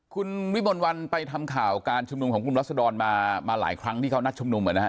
คุณวิบลวันไปทำข่าวการชุมนุมของคุณลัสดรมามาหลายครั้งที่เขานัดชุมนุมเหรอนะฮะ